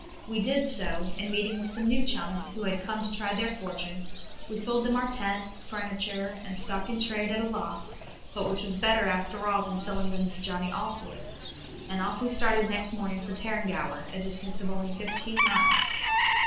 We did so, and meeting with some new chums who had come to try their fortune, we sold them our tent, furniture, and stock in trade at a loss; but which was better after all than selling them to Johnny Allsorts, and off we started next morning for Tarrangower, a distance of only fifteen miles.